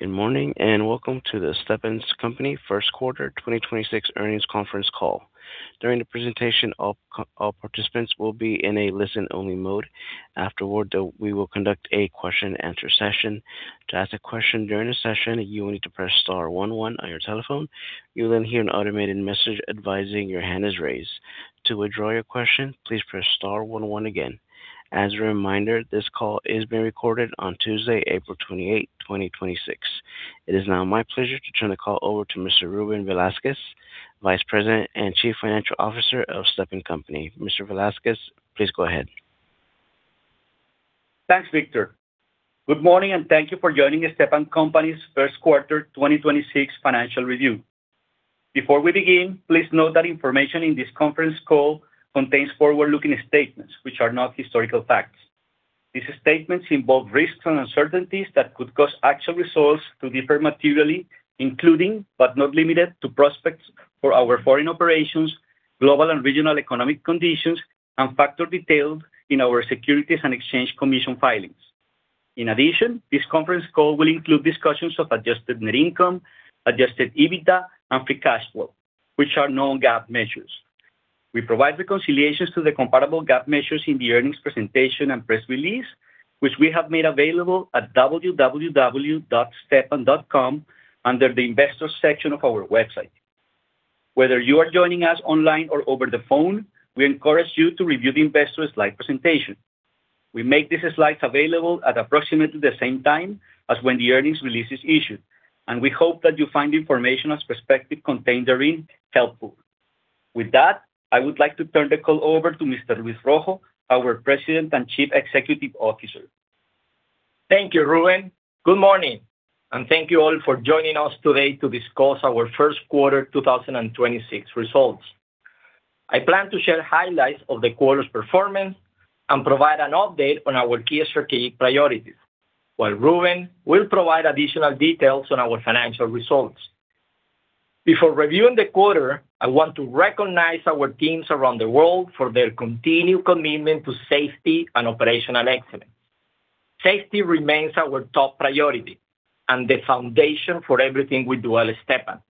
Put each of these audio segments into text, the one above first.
Good morning, and welcome to the Stepan Company first quarter 2026 earnings conference call. During the presentation, all participants will be in a listen-only mode. Afterward, we will conduct a question-and-answer session. To ask a question during the session, you will need to press star one one on your telephone. You'll then hear an automated message advising your hand is raised. To withdraw your question, please press star one one again. As a reminder, this call is being recorded on Tuesday, April 28, 2026. It is now my pleasure to turn the call over to Mr. Ruben Velasquez, Vice President and Chief Financial Officer of Stepan Company. Mr. Velazquez, please go ahead. Thanks, Victor. Good morning. Thank you for joining the Stepan Company's first quarter 2026 financial review. Before we begin, please note that information in this conference call contains forward-looking statements which are not historical facts. These statements involve risks and uncertainties that could cause actual results to differ materially, including, but not limited to, prospects for our foreign operations, global and regional economic conditions, and factors detailed in our Securities and Exchange Commission filings. In addition, this conference call will include discussions of adjusted Net Income, adjusted EBITDA, and free cash flow, which are non-GAAP measures. We provide reconciliations to the comparable GAAP measures in the earnings presentation and press release, which we have made available at www.stepan.com under the investors section of our website. Whether you are joining us online or over the phone, we encourage you to review the investor slide presentation. We make these slides available at approximately the same time as when the earnings release is issued, and we hope that you find the information as prospective contained therein helpful. With that, I would like to turn the call over to Mr. Luis Rojo, our President and Chief Executive Officer. Thank you, Ruben. Good morning, and thank you all for joining us today to discuss our first quarter 2026 results. I plan to share highlights of the quarter's performance and provide an update on our key strategic priorities, while Ruben will provide additional details on our financial results. Before reviewing the quarter, I want to recognize our teams around the world for their continued commitment to safety and operational excellence. Safety remains our top priority and the foundation for everything we do at Stepan.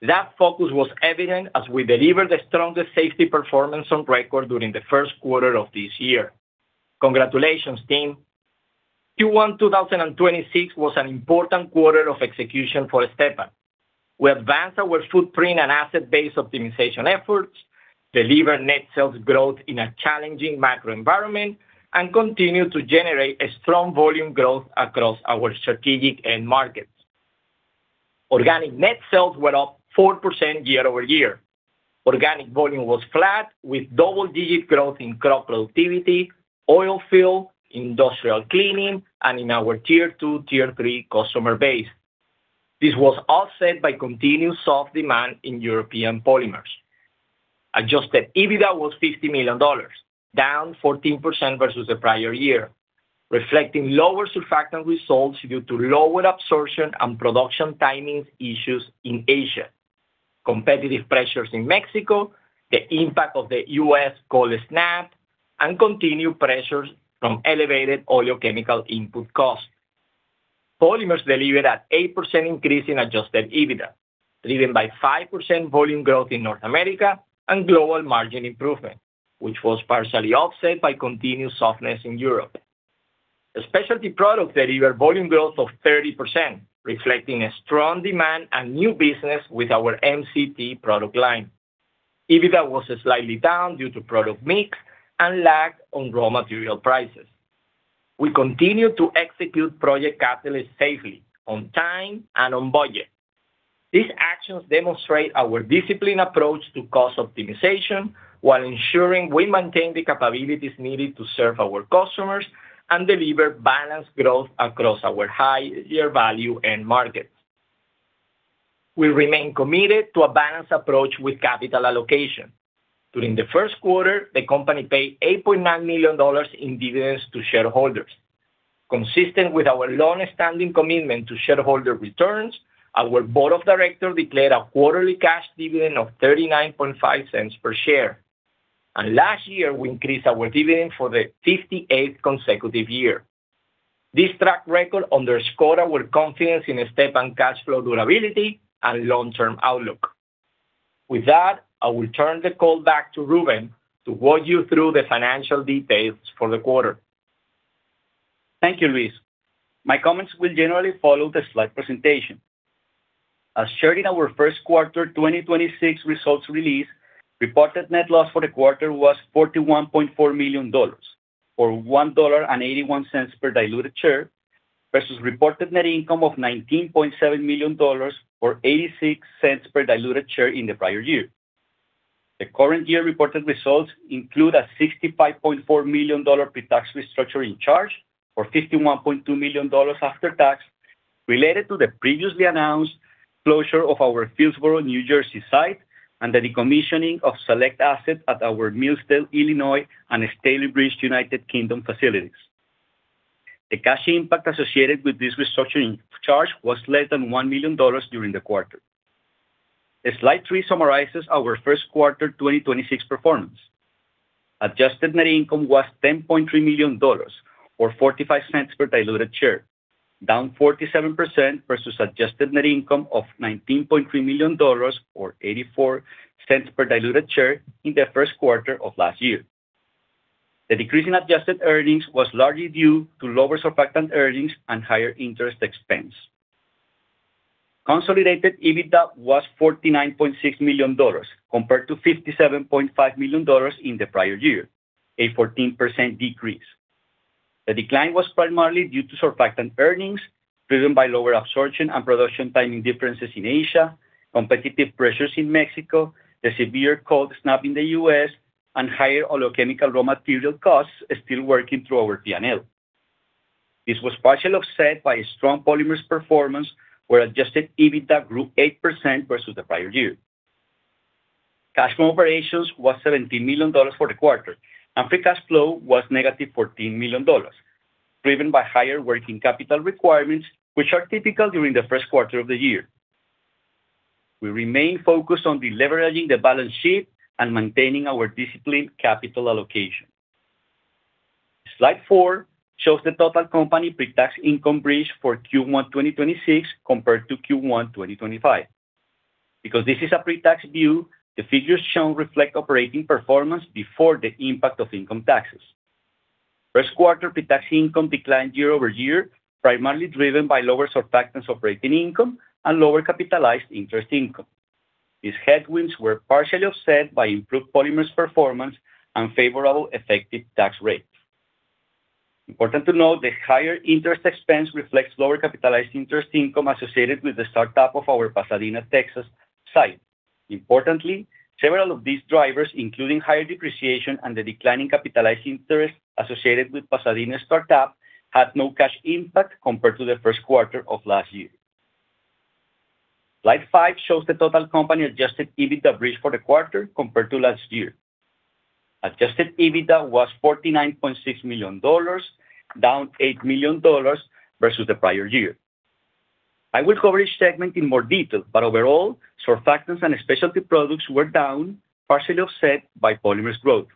That focus was evident as we delivered the strongest safety performance on record during the first quarter of this year. Congratulations, team. Q1 2026 was an important quarter of execution for Stepan. We advanced our footprint and asset base optimization efforts, delivered net sales growth in a challenging macro environment, and continued to generate strong volume growth across our strategic end markets. Organic net sales were up 4% year-over-year. Organic volume was flat, with double-digit growth in crop productivity, oil field, industrial cleaning, and in our Tier 2, Tier 3 customer base. This was offset by continued soft demand in European Polymers. Adjusted EBITDA was $50 million, down 14% versus the prior year, reflecting lower Surfactant results due to lower absorption and production timing issues in Asia, competitive pressures in Mexico, the impact of the U.S. cold snap, and continued pressures from elevated oleochemical input costs. Polymers delivered an 8% increase in adjusted EBITDA, driven by 5% volume growth in North America and global margin improvement, which was partially offset by continued softness in Europe. Specialty Products delivered volume growth of 30%, reflecting a strong demand and new business with our MCT product line. EBITDA was slightly down due to product mix and lag on raw material prices. We continue to execute Project Catalyst safely, on time, and on budget. These actions demonstrate our disciplined approach to cost optimization while ensuring we maintain the capabilities needed to serve our customers and deliver balanced growth across our higher-value end markets. We remain committed to a balanced approach with capital allocation. During the first quarter, the company paid $8.9 million in dividends to shareholders. Consistent with our longstanding commitment to shareholder returns, our board of directors declared a quarterly cash dividend of $0.395 per share. Last year, we increased our dividend for the 58th consecutive year. This track record underscore our confidence in the Stepan cash flow durability and long-term outlook. With that, I will turn the call back to Ruben to walk you through the financial details for the quarter. Thank you, Luis. My comments will generally follow the slide presentation. As shared in our first quarter 2026 results release, reported net loss for the quarter was $41.4 million, or $1.81 per diluted share, versus reported net income of $19.7 million, or $0.86 per diluted share in the prior year. The current year reported results include a $65.4 million pre-tax restructuring charge, or $51.2 million after tax, related to the previously announced closure of our Fieldsboro, New Jersey site and the decommissioning of select assets at our Millsdale, Illinois and Stalybridge, U.K. facilities. The cash impact associated with this restructuring charge was less than $1 million during the quarter. Slide three summarizes our first quarter 2026 performance. Adjusted Net Income was $10.3 million or $0.45 per diluted share, down 47% versus adjusted Net Income of $19.3 million or $0.84 per diluted share in the first quarter of last year. The decrease in adjusted earnings was largely due to lower Surfactant earnings and higher interest expense. Consolidated EBITDA was $49.6 million compared to $57.5 million in the prior year, a 14% decrease. The decline was primarily due to Surfactant earnings, driven by lower absorption and production timing differences in Asia, competitive pressures in Mexico, the severe cold snap in the U.S., and higher oleochemical raw material costs still working through our P&L. This was partially offset by a strong polymers performance, where adjusted EBITDA grew 8% versus the prior year. Cash from operations was $17 million for the quarter, and free cash flow was -$14 million, driven by higher working capital requirements, which are typical during the first quarter of the year. We remain focused on de-leveraging the balance sheet and maintaining our disciplined capital allocation. Slide four shows the total company pre-tax income bridge for Q1 2026 compared to Q1 2025. Because this is a pre-tax view, the figures shown reflect operating performance before the impact of income taxes. First quarter pre-tax income declined year-over-year, primarily driven by lower surfactants operating income and lower capitalized interest income. These headwinds were partially offset by improved polymers performance and favorable effective tax rate. Important to note, the higher interest expense reflects lower capitalized interest income associated with the startup of our Pasadena, Texas site. Importantly, several of these drivers, including higher depreciation and the decline in capitalized interest associated with Pasadena startup, had no cash impact compared to the first quarter of last year. Slide five shows the total company adjusted EBITDA bridge for the quarter compared to last year. Adjusted EBITDA was $49.6 million, down $8 million versus the prior year. I will cover each segment in more detail. Overall, surfactants and specialty products were down, partially offset by polymers growth.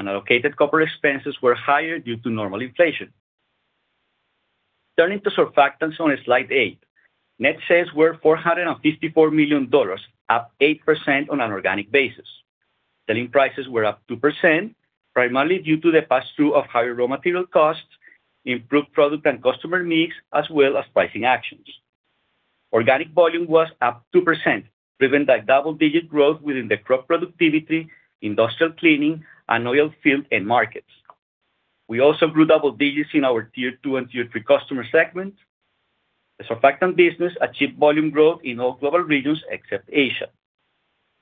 Unallocated corporate expenses were higher due to normal inflation. Turning to surfactants on slide eight. Net sales were $454 million, up 8% on an organic basis. Selling prices were up 2%, primarily due to the pass-through of higher raw material costs, improved product and customer mix, as well as pricing actions. Organic volume was up 2%, driven by double-digit growth within the crop productivity, industrial cleaning, and oilfield end markets. We also grew double digits in our Tier 2 and Tier 3 customer segments. The surfactants business achieved volume growth in all global regions except Asia.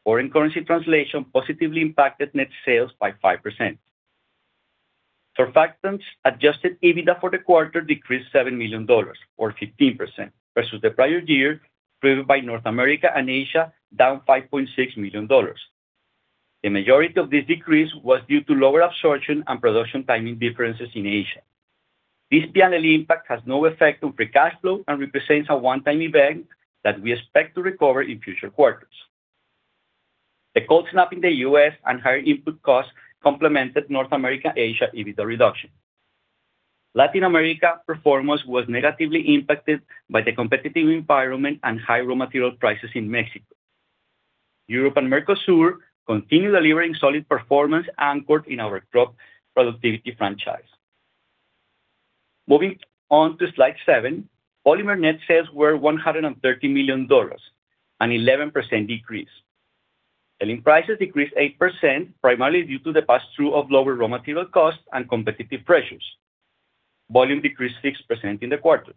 Foreign currency translation positively impacted net sales by 5%. Surfactants adjusted EBITDA for the quarter decreased $7 million or 15% versus the prior year, driven by North America and Asia, down $5.6 million. The majority of this decrease was due to lower absorption and production timing differences in Asia. This P&L impact has no effect on free cash flow and represents a one-time event that we expect to recover in future quarters. The cold snap in the U.S. and higher input costs complemented North America, Asia EBITDA reduction. Latin America performance was negatively impacted by the competitive environment and high raw material prices in Mexico. Europe and Mercosur continue delivering solid performance anchored in our crop productivity franchise. Moving on to slide seven. Polymer net sales were $130 million, an 11% decrease. Selling prices decreased 8%, primarily due to the pass-through of lower raw material costs and competitive pressures. Volume decreased 6% in the quarter.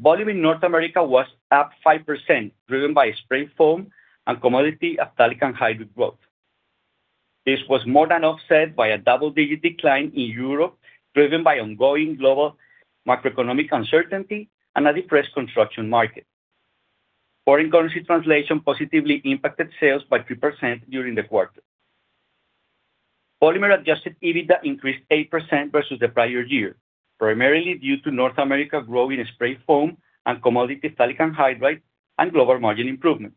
Volume in North America was up 5%, driven by spray foam and commodity Phthalic Anhydride growth. This was more than offset by a double-digit decline in Europe, driven by ongoing global macroeconomic uncertainty and a depressed construction market. Foreign currency translation positively impacted sales by 3% during the quarter. Polymer adjusted EBITDA increased 8% versus the prior year, primarily due to North America growth in spray foam and commodity phthalic anhydride and global margin improvement.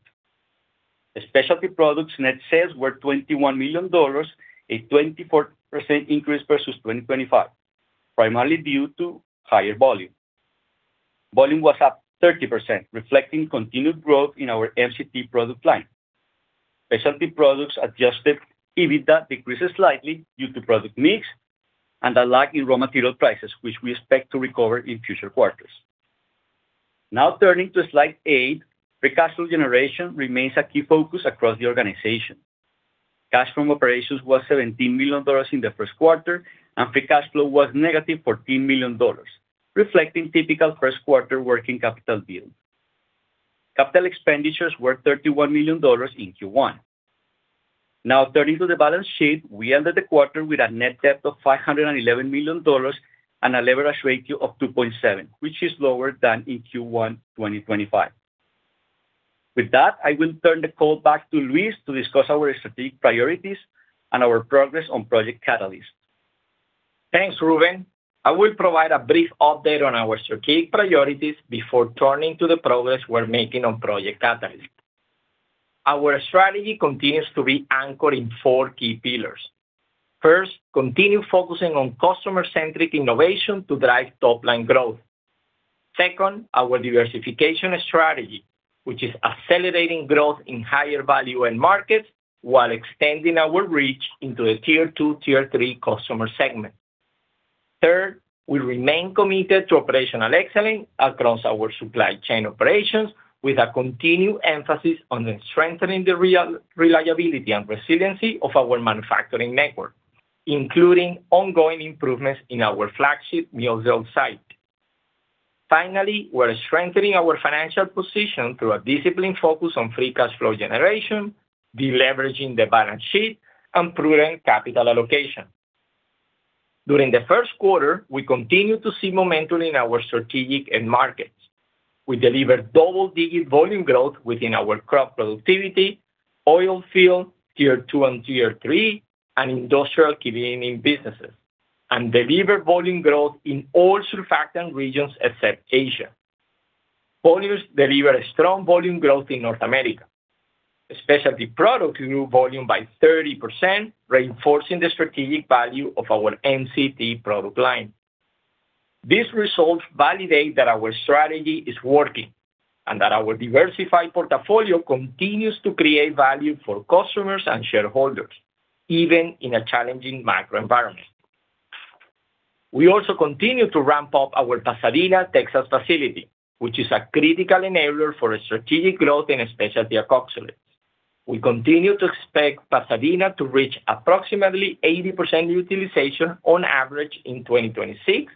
Specialty products net sales were $21 million, a 24% increase versus 2025, primarily due to higher volume. Volume was up 30%, reflecting continued growth in our MCT product line. Specialty products adjusted EBITDA decreased slightly due to product mix and a lag in raw material prices, which we expect to recover in future quarters. Now turning to slide eight. Free cash flow generation remains a key focus across the organization. Cash from operations was $17 million in the first quarter, and free cash flow was -$14 million, reflecting typical first quarter working capital build. Capital expenditures were $31 million in Q1. Now turning to the balance sheet. We ended the quarter with a net debt of $511 million and a leverage ratio of 2.7, which is lower than in Q1 2025. With that, I will turn the call back to Luis to discuss our strategic priorities and our progress on Project Catalyst. Thanks, Ruben. I will provide a brief update on our strategic priorities before turning to the progress we're making on Project Catalyst. Our strategy continues to be anchored in four key pillars. First, continue focusing on customer-centric innovation to drive top-line growth. Second, our diversification strategy, which is accelerating growth in higher value end markets while extending our reach into a Tier 2, Tier 3 customer segment. Third, we remain committed to operational excellence across our supply chain operations with a continued emphasis on strengthening the reliability and resiliency of our manufacturing network, including ongoing improvements in our flagship Millsdale site. Finally, we're strengthening our financial position through a disciplined focus on free cash flow generation, deleveraging the balance sheet, and prudent capital allocation. During the first quarter, we continued to see momentum in our strategic end markets. We delivered double-digit volume growth within our crop productivity, oilfield, Tier 2 and Tier 3, and industrial cleaning businesses, and delivered volume growth in all surfactants regions except Asia. Polymers delivered a strong volume growth in North America. Specialty products grew volume by 30%, reinforcing the strategic value of our MCT product line. These results validate that our strategy is working, and that our diversified portfolio continues to create value for customers and shareholders, even in a challenging macro environment. We also continue to ramp up our Pasadena Texas facility, which is a critical enabler for strategic growth in specialty alkoxylates. We continue to expect Pasadena to reach approximately 80% utilization on average in 2026,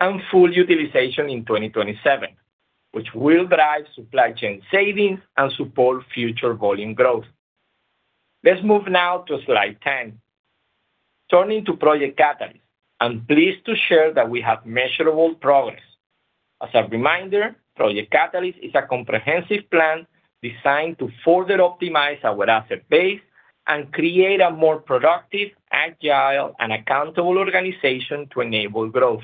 and full utilization in 2027, which will drive supply chain savings and support future volume growth. Let's move now to slide 10. Turning to Project Catalyst, I'm pleased to share that we have measurable progress. As a reminder, Project Catalyst is a comprehensive plan designed to further optimize our asset base and create a more productive, agile, and accountable organization to enable growth.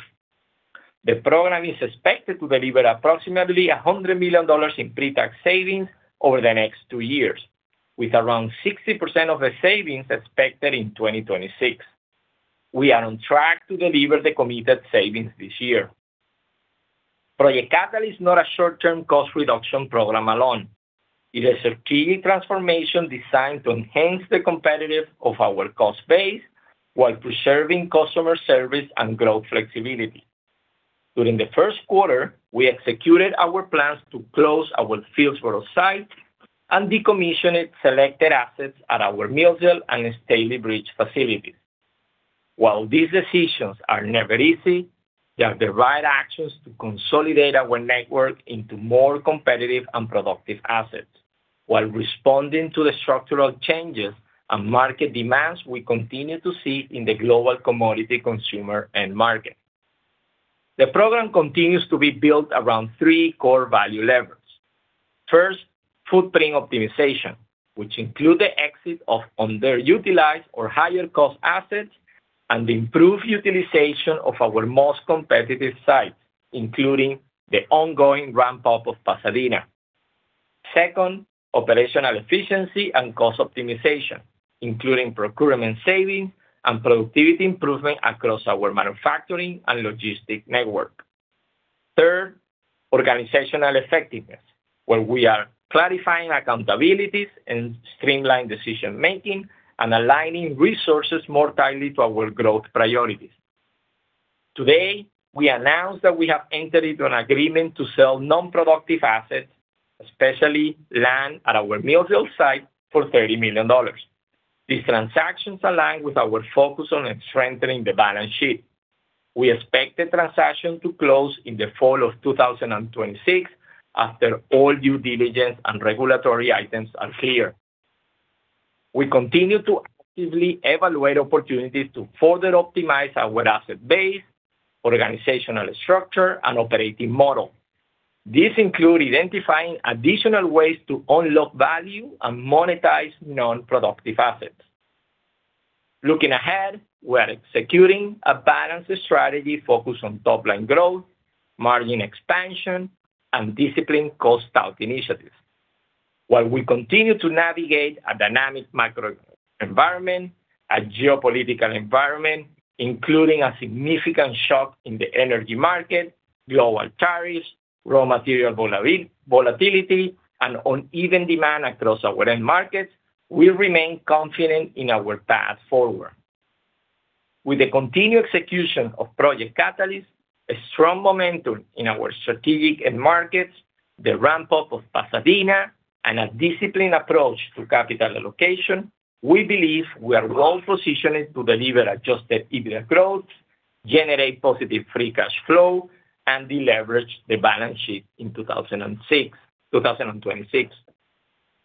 The program is expected to deliver approximately $100 million in pre-tax savings over the next two years, with around 60% of the savings expected in 2026. We are on track to deliver the committed savings this year. Project Catalyst is not a short-term cost reduction program alone. It is a strategic transformation designed to enhance the competitive of our cost base while preserving customer service and growth flexibility. During the first quarter, we executed our plans to close our Fieldsboro site and decommissioned selected assets at our Millsdale and Stalybridge facilities. While these decisions are never easy, they are the right actions to consolidate our network into more competitive and productive assets while responding to the structural changes and market demands we continue to see in the global commodity consumer end market. The program continues to be built around three core value levers. First, footprint optimization, which include the exit of underutilized or higher-cost assets and improve utilization of our most competitive sites, including the ongoing ramp-up of Pasadena. Second, operational efficiency and cost optimization, including procurement savings and productivity improvement across our manufacturing and logistic network. Third, organizational effectiveness, where we are clarifying accountabilities and streamline decision-making and aligning resources more tightly to our growth priorities. Today, we announced that we have entered into an agreement to sell non-productive assets, especially land at our Millsdale site, for $30 million. These transactions align with our focus on strengthening the balance sheet. We expect the transaction to close in the fall of 2026 after all due diligence and regulatory items are clear. We continue to actively evaluate opportunities to further optimize our asset base, organizational structure, and operating model. These include identifying additional ways to unlock value and monetize non-productive assets. Looking ahead, we're executing a balanced strategy focused on top-line growth, margin expansion, and disciplined cost out initiatives. While we continue to navigate a dynamic macro environment, a geopolitical environment, including a significant shock in the energy market, global tariffs, raw material volatility, and uneven demand across our end markets, we remain confident in our path forward. With the continued execution of Project Catalyst, a strong momentum in our strategic end markets, the ramp-up of Pasadena, and a disciplined approach to capital allocation, we believe we are well-positioned to deliver adjusted EBITDA growth, generate positive free cash flow, and deleverage the balance sheet in 2026.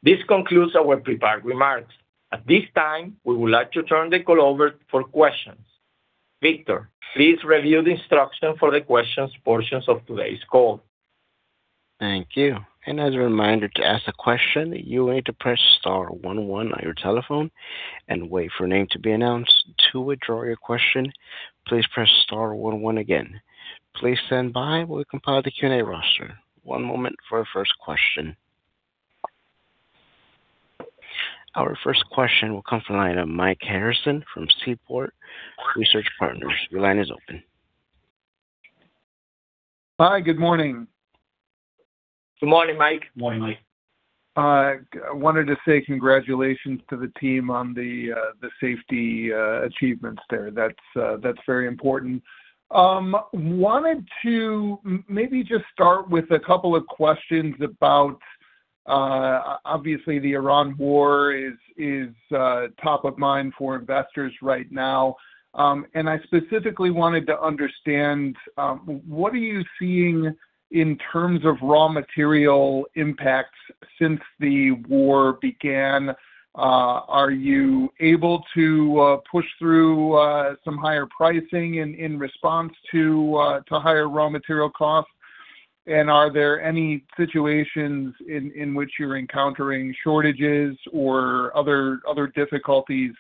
This concludes our prepared remarks. At this time, we would like to turn the call over for questions. Victor, please review the instructions for the questions portions of today's call. Thank you. As a reminder, to ask a question, you're going to press star one one on your telephone and wait for a name to be announced. To withdraw your question, please press star one one again. Please stand by while we compile the Q&A roster. One moment for our first question. Our first question will come from the line of Mike Harrison from Seaport Research Partners. Your line is open. Hi. Good morning. Good morning, Mike. Morning, Mike. I wanted to say congratulations to the team on the safety achievements there. That's very important. Wanted to maybe just start with a couple of questions about obviously the Iran war is top of mind for investors right now. And I specifically wanted to understand what are you seeing in terms of raw material impacts since the war began? Are you able to push through some higher pricing in response to higher raw material costs? Are there any situations in which you're encountering shortages or other difficulties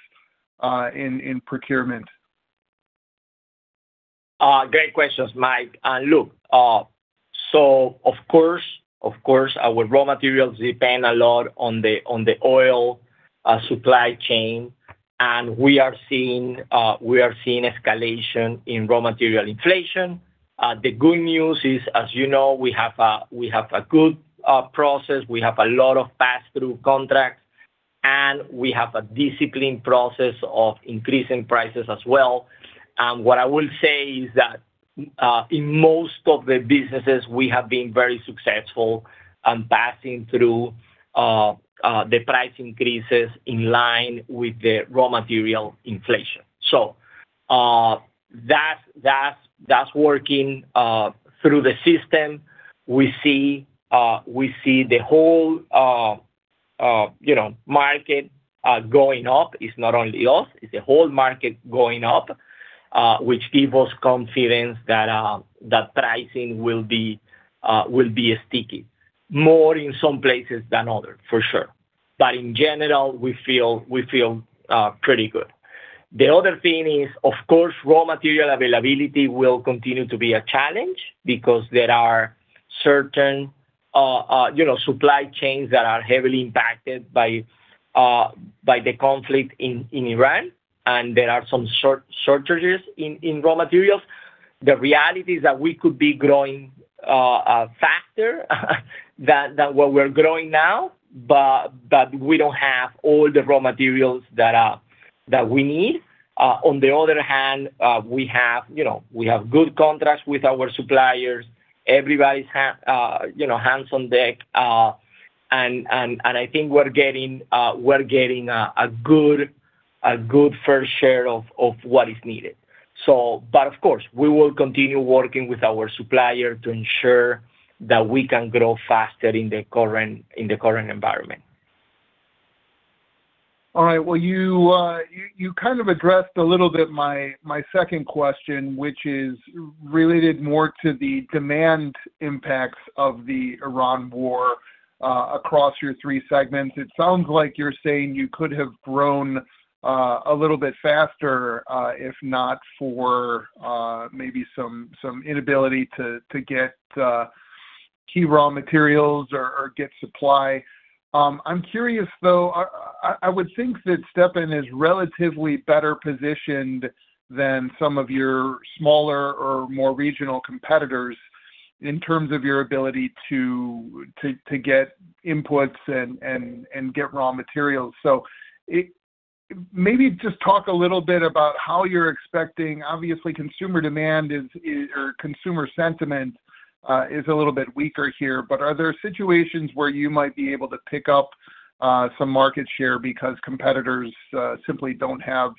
in procurement? Great questions, Mike. Look, of course our raw materials depend a lot on the oil supply chain, and we are seeing escalation in raw material inflation. The good news is, as you know, we have a good process. We have a lot of pass-through contracts, and we have a disciplined process of increasing prices as well. What I will say is that in most of the businesses, we have been very successful on passing through the price increases in line with the raw material inflation. That's working through the system. We see the whole, you know, market going up. It's not only us, it's the whole market going up, which gives us confidence that pricing will be sticky. More in some places than others, for sure. In general, we feel pretty good. The other thing is, of course, raw material availability will continue to be a challenge because there are certain, you know, supply chains that are heavily impacted by the conflict in Iran, and there are some shortages in raw materials. The reality is that we could be growing faster than what we're growing now, but we don't have all the raw materials that we need. On the other hand, we have, you know, good contracts with our suppliers. Everybody's, you know, hands on deck. I think we're getting a good fair share of what is needed. But of course, we will continue working with our supplier to ensure that we can grow faster in the current environment. All right. Well, you kind of addressed a little bit my second question, which is related more to the demand impacts of the Iran war across your three segments. It sounds like you're saying you could have grown a little bit faster if not for maybe some inability to get key raw materials or get supply. I'm curious though, I would think that Stepan is relatively better positioned than some of your smaller or more regional competitors in terms of your ability to get inputs and get raw materials. Maybe just talk a little bit about how you're expecting. Obviously consumer demand is or consumer sentiment is a little bit weaker here. Are there situations where you might be able to pick up some market share because competitors simply don't have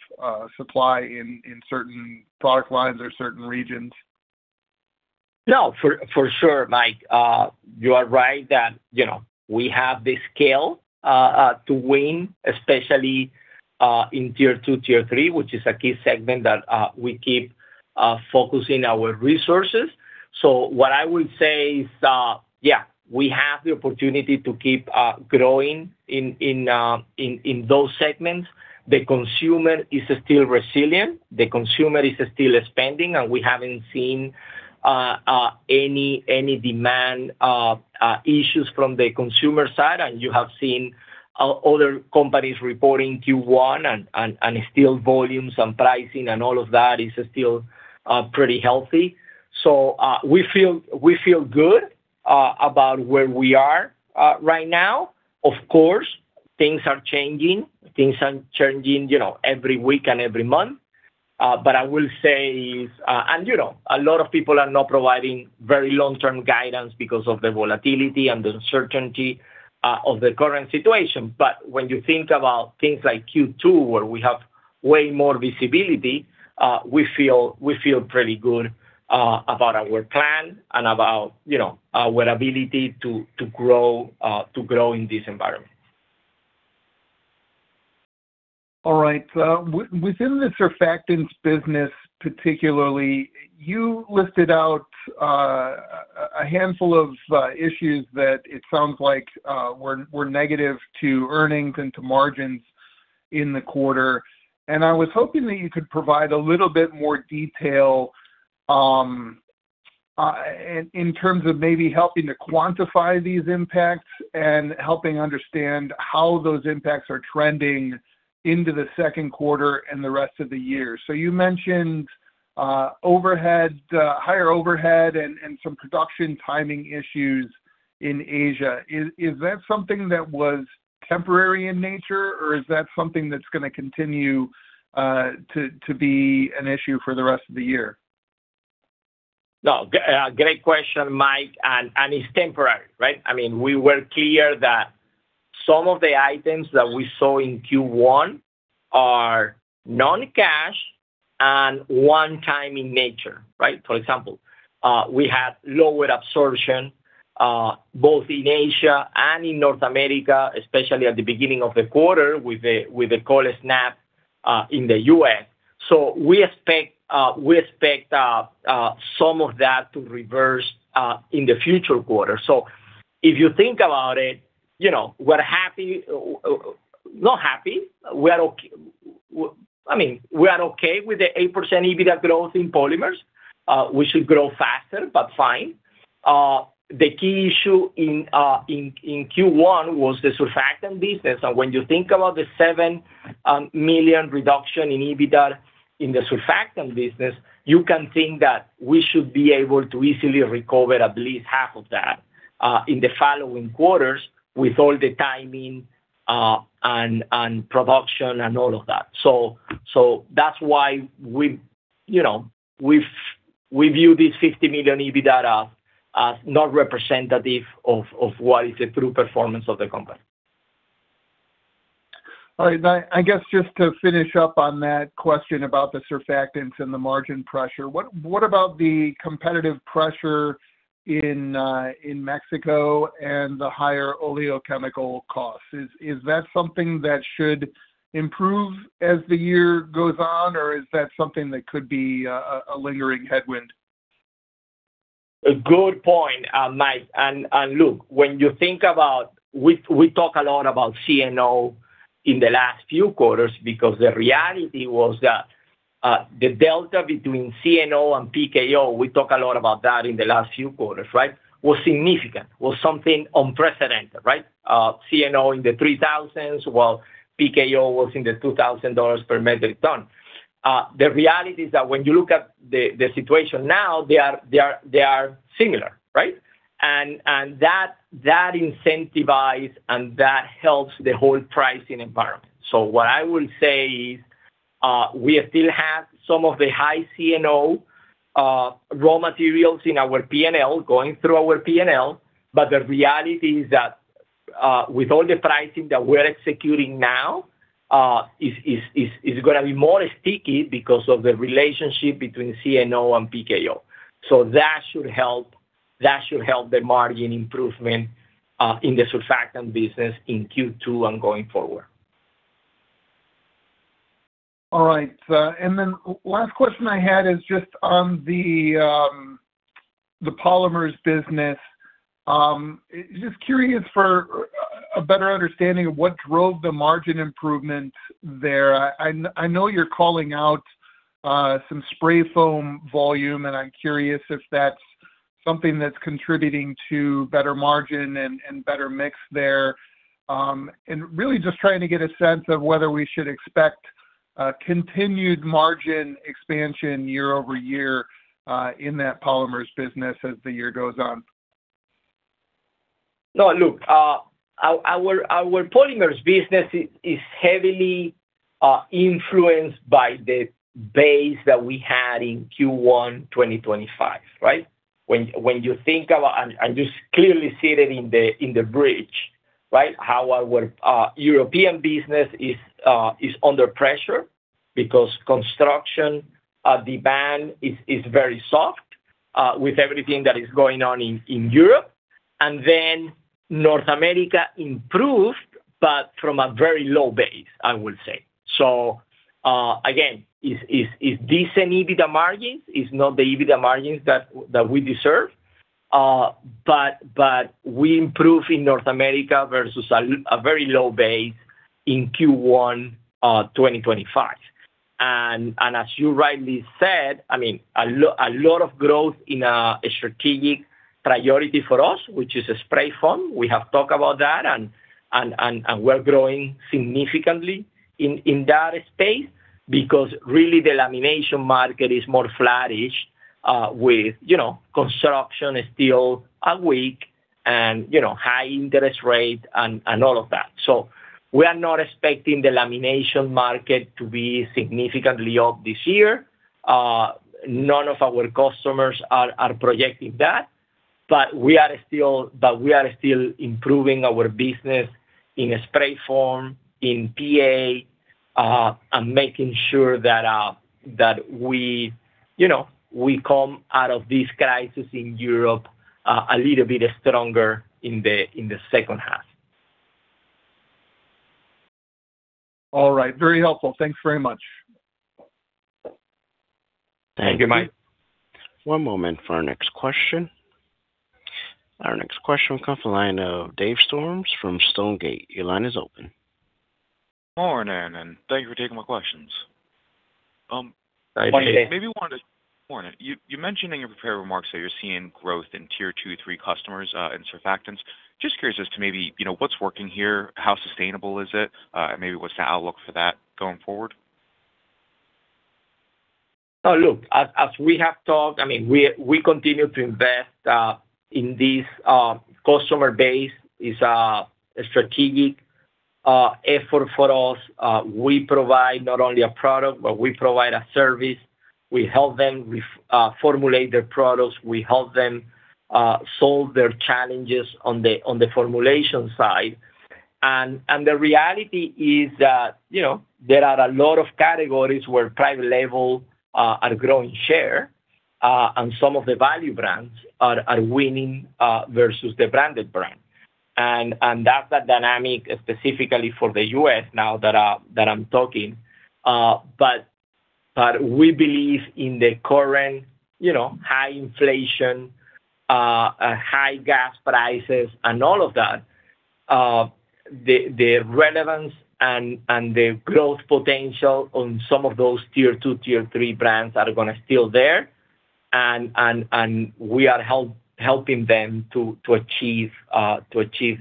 supply in certain product lines or certain regions? No. For sure, Mike, you are right that, you know, we have the scale to win, especially in Tier 2, Tier 3, which is a key segment that we keep focusing our resources. What I would say is, yeah, we have the opportunity to keep growing in those segments. The consumer is still resilient. The consumer is still spending, and we haven't seen any demand issues from the consumer side. You have seen other companies reporting Q1 and still volumes and pricing and all of that is still pretty healthy. We feel good about where we are right now. Of course, things are changing. Things are changing, you know, every week and every month. I will say is, and you know, a lot of people are not providing very long-term guidance because of the volatility and the uncertainty of the current situation. When you think about things like Q2, where we have way more visibility, we feel pretty good about our plan and about, you know, our ability to grow in this environment. All right. Within the surfactants business, particularly, you listed out a handful of issues that it sounds like were negative to earnings and to margins in the quarter. I was hoping that you could provide a little bit more detail in terms of maybe helping to quantify these impacts and helping understand how those impacts are trending into the second quarter and the rest of the year. You mentioned overhead, higher overhead and some production timing issues in Asia. Is that something that was temporary in nature, or is that something that's gonna continue to be an issue for the rest of the year? No. Great question, Mike, and it's temporary, right? I mean, we were clear that some of the items that we saw in Q1 are non-cash and one time in nature, right? For example, we had lower absorption, both in Asia and in North America, especially at the beginning of the quarter with the cold snap in the U.S. We expect, we expect some of that to reverse in the future quarters. If you think about it, you know, we're happy. Well, not happy. I mean, we are okay with the 8% EBITDA growth in polymers. We should grow faster, fine. The key issue in Q1 was the surfactant business. When you think about the $7 million reduction in EBITDA in the surfactant business, you can think that we should be able to easily recover at least 1/2 of that in the following quarters with all the timing, and production and all of that. That's why we, you know, we view this $50 million EBITDA as not representative of what is the true performance of the company. All right. I guess just to finish up on that question about the surfactants and the margin pressure, what about the competitive pressure in Mexico and the higher oleochemical costs? Is that something that should improve as the year goes on, or is that something that could be a lingering headwind? A good point, Mike. Look, when you think about... We talk a lot about CNO in the last few quarters because the reality was that the delta between CNO and PKO, we talk a lot about that in the last few quarters. It was significant. It was something unprecedented. CNO in the $3,000s, while PKO was in the $2,000 per metric ton. The reality is that when you look at the situation now, they are similar. That incentivize and that helps the whole pricing environment. What I will say is, we still have some of the high CNO raw materials in our P&L, going through our P&L, but the reality is that with all the pricing that we're executing now, is gonna be more sticky because of the relationship between CNO and PKO. That should help the margin improvement in the surfactant business in Q2 and going forward. All right. Last question I had is just on the Polymers business. Just curious for a better understanding of what drove the margin improvement there. I know you're calling out some spray foam volume, and I'm curious if that's something that's contributing to better margin and better mix there. Really just trying to get a sense of whether we should expect continued margin expansion year-over-year in that polymers business as the year goes on. No, look, our Polymers business is heavily influenced by the base that we had in Q1 2025, right? When you think about. You clearly see it in the bridge, right? How our European business is under pressure because construction demand is very soft with everything that is going on in Europe. North America improved, but from a very low base, I would say. Again is decent EBITDA margins, is not the EBITDA margins that we deserve, but we improve in North America versus a very low base in Q1 2025. As you rightly said, I mean, a lot of growth in a strategic priority for us, which is spray foam. We have talked about that, and we're growing significantly in that space because really the insulation market is more flattish, with, you know, construction is still weak and, you know, high interest rate and all of that. We are not expecting the insulation market to be significantly up this year. None of our customers are projecting that, we are still improving our business in spray foam, in PA, and making sure that, you know, we come out of this crisis in Europe a little bit stronger in the second half. All right. Very helpful. Thanks very much. Thank you, Mike. One moment for our next question. Our next question comes from the line of Dave Storms from Stonegate. Your line is open. Morning, and thank you for taking my questions. Good morning, Dave. Morning. You mentioned in your prepared remarks that you're seeing growth in Tier 2, 3 customers in surfactants. Just curious as to maybe, you know, what's working here? How sustainable is it? Maybe what's the outlook for that going forward? Oh, look, as we have talked, I mean, we continue to invest in this customer base is a strategic effort for us. We provide not only a product, but we provide a service. We help them with formulate their products. We help them solve their challenges on the formulation side. The reality is that, you know, there are a lot of categories where private label are growing share and some of the value brands are winning versus the branded brand. That's a dynamic specifically for the U.S. now that I'm talking. We believe in the current, you know, high inflation, high gas prices and all of that, the relevance and the growth potential on some of those Tier 2, Tier 3 brands are gonna still there. We are helping them to achieve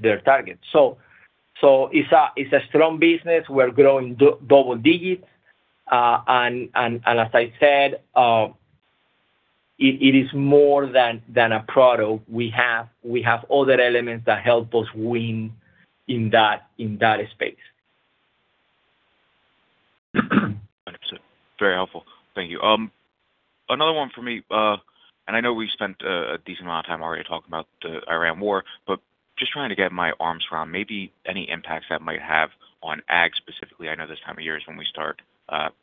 their targets. It's a strong business. We're growing double digits. As I said, it is more than a product. We have other elements that help us win in that space. Understood. Very helpful. Thank you. Another one for me, and I know we've spent a decent amount of time already talking about the Iran War, but just trying to get my arms around maybe any impacts that might have on ag specifically. I know this time of year is when we start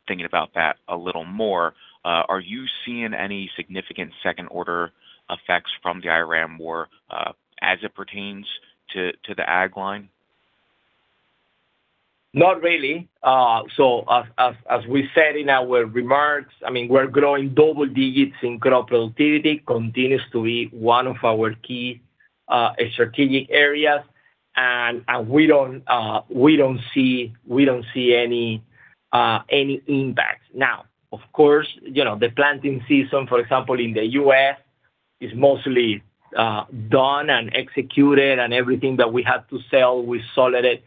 thinking about that a little more. Are you seeing any significant second order effects from the Iran War as it pertains to the ag line? Not really. As we said in our remarks, I mean, we're growing double digits, and crop productivity continues to be one of our key strategic areas. We don't see any impact. Now, of course, you know, the planting season, for example, in the U.S. is mostly done and executed, and everything that we have to sell, we sold it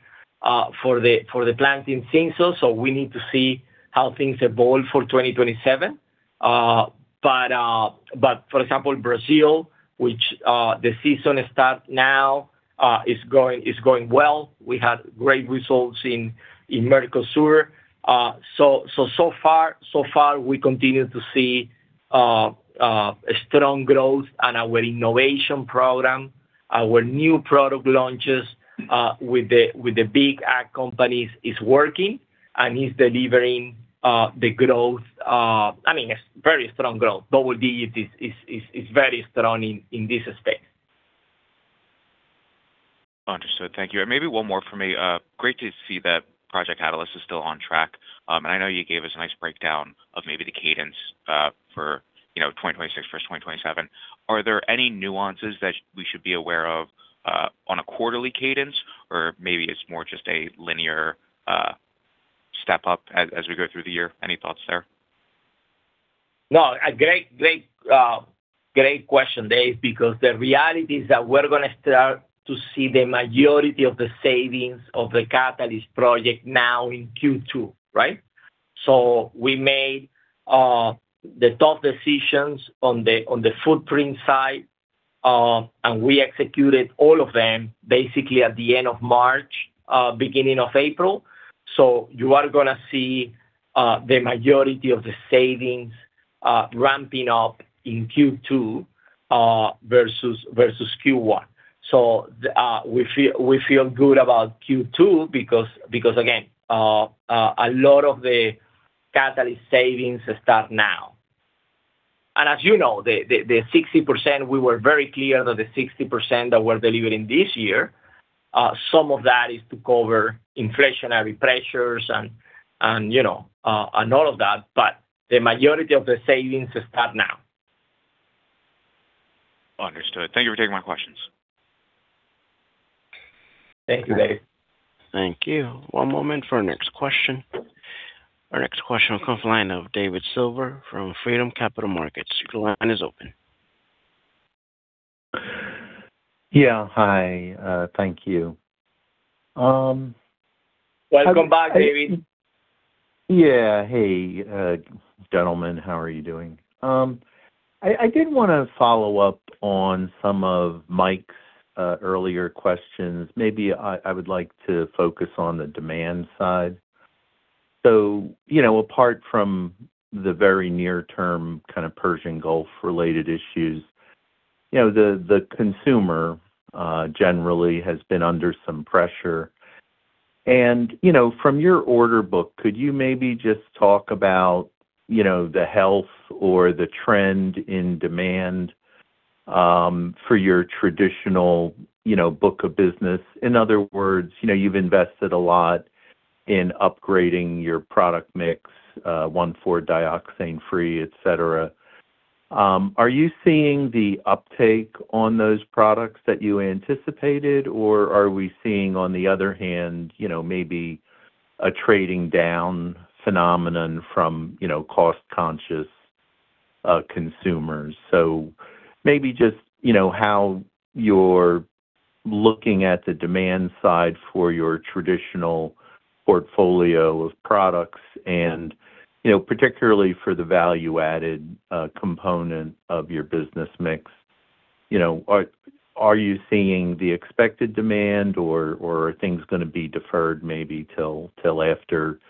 for the planting season. We need to see how things evolve for 2027. For example, Brazil, which the season start now, is going well. We had great results in Mercosur. So far, we continue to see strong growth on our innovation program. Our new product launches, with the big ag companies is working and is delivering the growth, I mean, very strong growth. Double digits is very strong in this space. Understood. Thank you. Maybe one more for me. Great to see that Project Catalyst is still on track. I know you gave us a nice breakdown of maybe the cadence, for, you know, 2026 versus 2027. Are there any nuances that we should be aware of, on a quarterly cadence, or maybe it's more just a linear, step up as we go through the year? Any thoughts there? No, a great, great question, Dave, because the reality is that we're gonna start to see the majority of the savings of the Project Catalyst now in Q2, right? We made the top decisions on the footprint side, and we executed all of them basically at the end of March, beginning of April. You are gonna see the majority of the savings ramping up in Q2 versus Q1. We feel good about Q2 because again, a lot of the Catalyst savings start now. As you know, the 60%, we were very clear that the 60% that we're delivering this year, some of that is to cover inflationary pressures and, you know, and all of that, but the majority of the savings start now. Understood. Thank you for taking my questions. Thank you, Dave. Thank you. One moment for our next question. Our next question will come from the line of David Silver from Freedom Capital Markets. Your line is open. Yeah. Hi. Thank you. Welcome back, David. Yeah. Hey, gentlemen. How are you doing? I did wanna follow up on some of Mike's earlier questions. Maybe I would like to focus on the demand side. You know, apart from the very near term kind of Persian Gulf-related issues, you know, the consumer generally has been under some pressure. From your order book, could you maybe just talk about, you know, the health or the trend in demand for your traditional, you know, book of business? In other words, you know, you've invested a lot in upgrading your product mix, 1,4-Dioxane-free, et cetera. Are you seeing the uptake on those products that you anticipated or are we seeing on the other hand, you know, maybe a trading down phenomenon from, you know, cost-conscious consumers? Maybe just, you know, how you're looking at the demand side for your traditional portfolio of products and, you know, particularly for the value-added component of your business mix. You know, are you seeing the expected demand or are things gonna be deferred maybe till after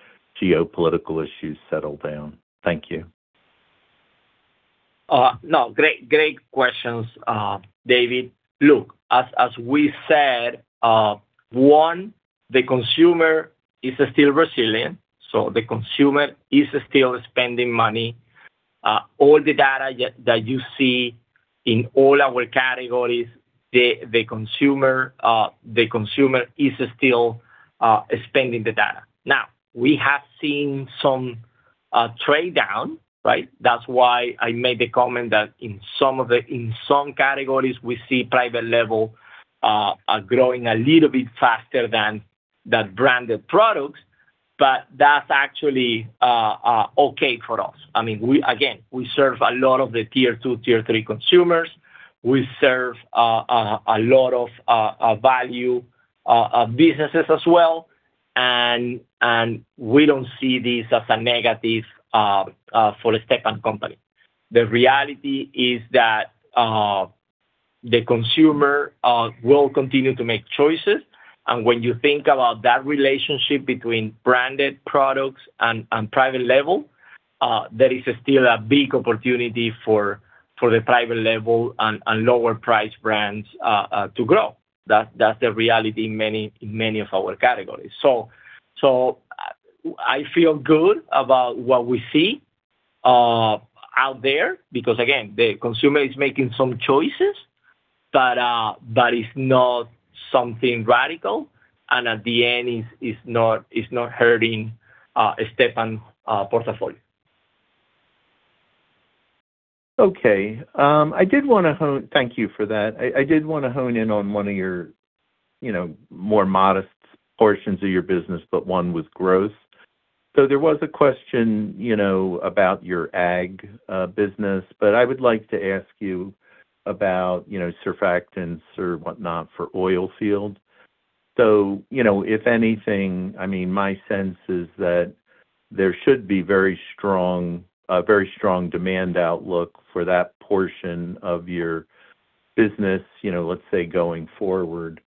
geopolitical issues settle down? Thank you. No. Great, great questions, David. Look, as we said, one, the consumer is still resilient, so the consumer is still spending money. All the data that you see in all our categories, The consumer is still spending the data. Now, we have seen some trade-down, right? That's why I made the comment that in some categories we see private label growing a little bit faster than the branded products, that's actually okay for us. I mean, we Again, we serve a lot of the Tier 2, Tier 3 consumers. We serve a lot of value businesses as well and we don't see this as a negative for Stepan Company. The reality is that the consumer will continue to make choices, and when you think about that relationship between branded products and private label, there is still a big opportunity for the private label and lower priced brands to grow. That's the reality in many of our categories. I feel good about what we see out there because, again, the consumer is making some choices, but it's not something radical and at the end it's not hurting Stepan portfolio. Okay. Thank you for that. I did wanna hone in on one of your, you know, more modest portions of your business, but one with growth. There was a question, you know, about your ag business, but I would like to ask you about, you know, surfactants or whatnot for oil field. If anything, I mean, my sense is that there should be a very strong demand outlook for that portion of your business, you know, let's say, going forward,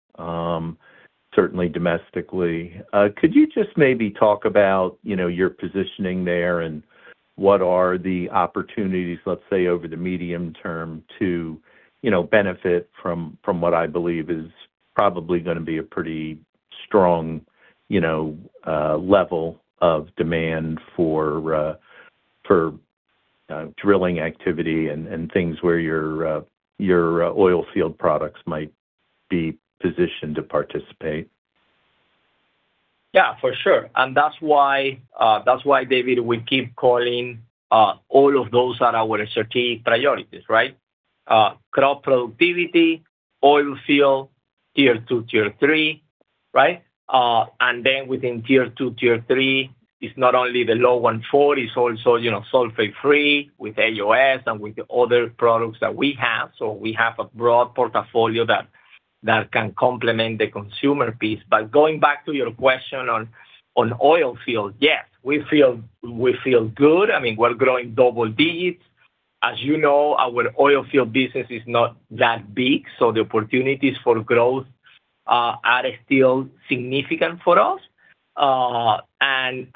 certainly domestically. Could you just maybe talk about, you know, your positioning there and what are the opportunities, let's say, over the medium term to, you know, benefit from what I believe is probably gonna be a pretty strong, you know, level of demand for drilling activity and things where your oilfield products might be positioned to participate? Yeah, for sure. That's why, that's why, David, we keep calling, all of those are our strategic priorities, right? Crop productivity, oilfield, Tier 2, Tier 3, right? Then within Tier 2, Tier 3, it's not only the low 1,4-dioxane, it's also, you know, sulfate-free with AOS and with other products that we have. We have a broad portfolio that can complement the consumer piece. Going back to your question on oilfield, yes, we feel good. I mean, we're growing double digits. As you know, our oilfield business is not that big, so the opportunities for growth are still significant for us. And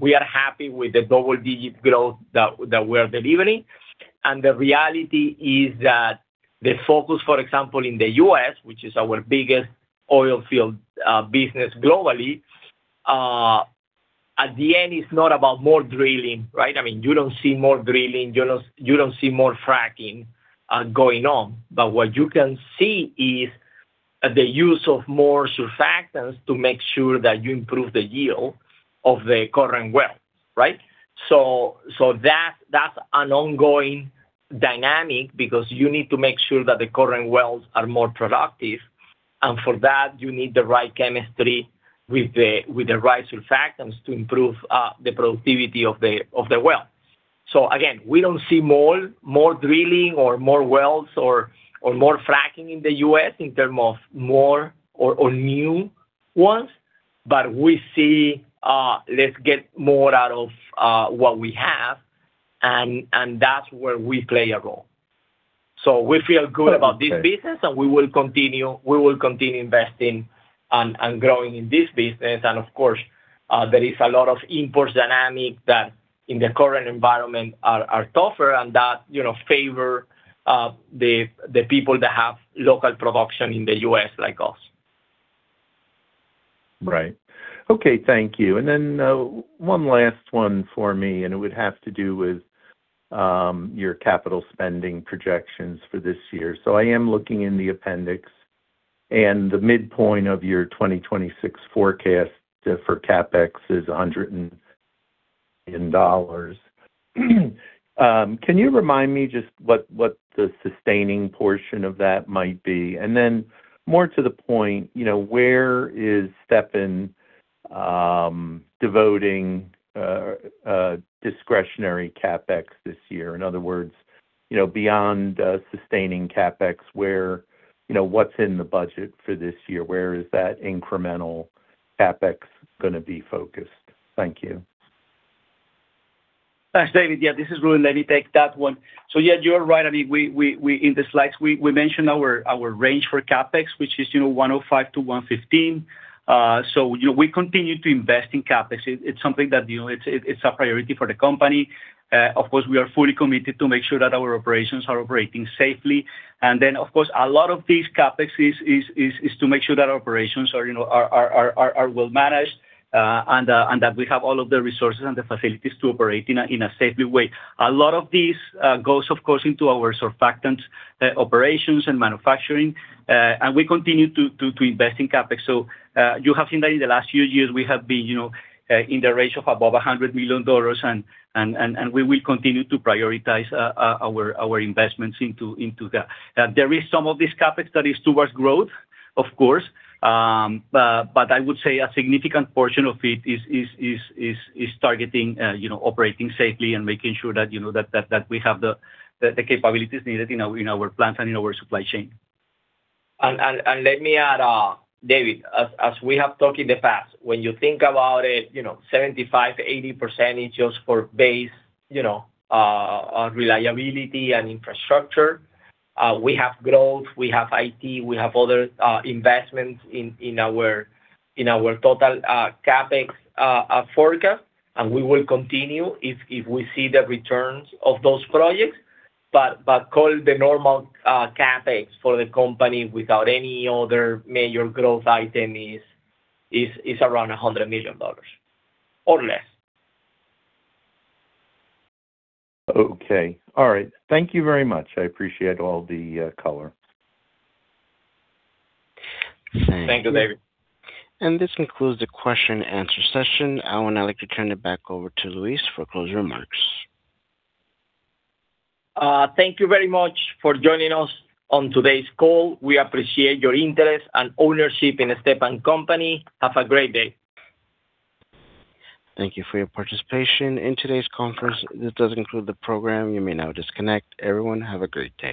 we are happy with the double-digit growth that we're delivering. The reality is that the focus, for example, in the U.S., which is our biggest oilfield business globally, at the end it's not about more drilling, right? I mean, you don't see more drilling. You don't see more fracking going on. What you can see is the use of more surfactants to make sure that you improve the yield of the current well, right? That's an ongoing dynamic because you need to make sure that the current wells are more productive, and for that, you need the right chemistry with the right surfactants to improve the productivity of the well. Again, we don't see more drilling or more wells or more fracking in the U.S. in terms of more or new ones, we see, let's get more out of what we have, and that's where we play a role. We feel good about this business. Okay. We will continue investing and growing in this business. Of course, there is a lot of import dynamic that in the current environment are tougher and that, you know, favor the people that have local production in the U.S. like us. Right. Okay, thank you. One last one for me, and it would have to do with your capital spending projections for this year. I am looking in the appendix, and the midpoint of your 2026 forecast for CapEx is $100. Can you remind me just what the sustaining portion of that might be? More to the point, you know, where is Stepan devoting discretionary CapEx this year? In other words, you know, beyond sustaining CapEx, where, you know, what's in the budget for this year? Where is that incremental CapEx gonna be focused? Thank you. Thanks, David. This is Ruben. Let me take that one. You're right. I mean, we in the slides, we mentioned our range for CapEx, which is, you know, $105-$115. You know, we continue to invest in CapEx. It's something that, you know, it's a priority for the company. Of course, we are fully committed to make sure that our operations are operating safely. Of course, a lot of these CapEx is to make sure that our operations are, you know, are well managed, and that we have all of the resources and the facilities to operate in a safely way. A lot of these goes of course into our surfactant operations and manufacturing. We continue to invest in CapEx. You have seen that in the last few years, we have been, you know, in the range of above $100 million and we will continue to prioritize our investments into that. There is some of this CapEx that is towards growth, of course. I would say a significant portion of it is targeting, you know, operating safely and making sure that, you know, that we have the capabilities needed in our plants and in our supply chain. Let me add, David, as we have talked in the past, when you think about it, you know, 75%-80% is just for base reliability and infrastructure. We have growth, we have IT, we have other investments in our total CapEx forecast. We will continue if we see the returns of those projects. Call the normal CapEx for the company without any other major growth item is around $100 million or less. Okay. All right. Thank you very much. I appreciate all the color. Thank you, David. This concludes the question and answer session. I would now like to turn it back over to Luis for closing remarks. Thank you very much for joining us on today's call. We appreciate your interest and ownership in the Stepan Company. Have a great day. Thank you for your participation in today's conference. This does conclude the program. You may now disconnect. Everyone, have a great day.